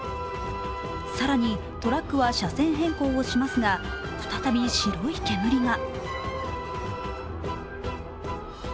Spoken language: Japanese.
更にトラックは車線変更をしますが再び白い煙が。